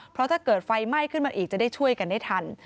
เพราะถ้าเกิดไฟไหม้ขึ้นมาอีกจะได้ช่วยกันได้ทัน